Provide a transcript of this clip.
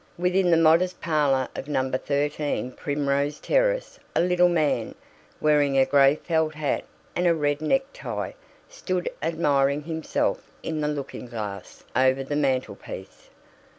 Within the modest parlour of No. 13 Primrose Terrace a little man, wearing a gray felt hat and a red neck tie, stood admiring himself in the looking glass over the mantelpiece.